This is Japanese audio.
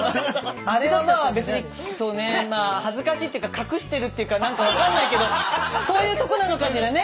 あれはまあ別にそうね恥ずかしいっていうか隠してるっていうか何か分かんないけどそういうとこなのかしらね？